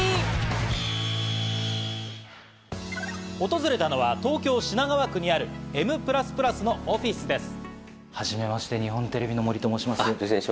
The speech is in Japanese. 訪れたのは東京・品川区にあるＭＰＬＵＳＰＬＵＳのオフィスです。